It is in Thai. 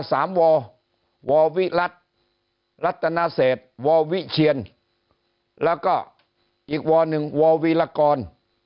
ออกมา๓วอร์วอร์วิรัฐรัฐนาเศษวอร์วิเชียนแล้วก็อีกวอร์หนึ่งวอร์วิรกร